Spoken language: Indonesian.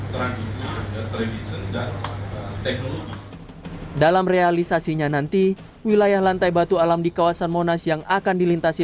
transit sehingga teknologi dalam realisasinya nanti wilayah lantai batu alam di kawasan monas yang akan dilintasi